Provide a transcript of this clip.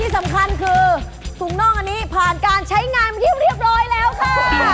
สำคัญคือถุงน่องอันนี้ผ่านการใช้งานมาที่เรียบร้อยแล้วค่ะ